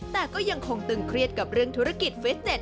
แต่ก็ยังคงตึงเครียดกับเรื่องธุรกิจเฟสเต็